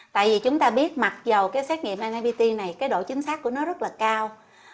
tại vì chúng ta biết mặc dù cái xét nghiệm nipt này cái độ chính xác của nó rất là cao